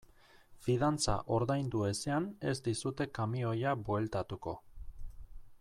Fidantza ordaindu ezean ez dizute kamioia bueltatuko.